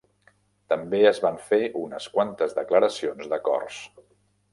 També es van fer unes quantes declaracions d'acords.